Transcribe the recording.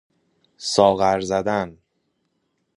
ساغر زدن